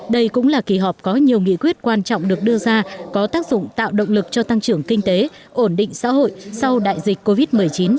đây cũng là kỳ họp có nhiều nghị quyết quan trọng được đưa ra có tác dụng tạo động lực cho tăng trưởng kinh tế ổn định xã hội sau đại dịch covid một mươi chín